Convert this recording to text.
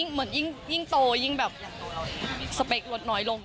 เหมือนยิ่งโตยิ่งสเปกรวดน้อยลง